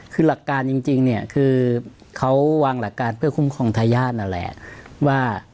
คือหลักการจริงเนี่ยคือเขาวางหลักการเพื่อคุ้มครองทายาทนั่นแหละว่า